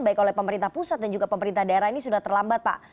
baik oleh pemerintah pusat dan juga pemerintah daerah ini sudah terlambat pak